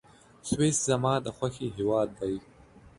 سویس زما د خوښي هېواد دی.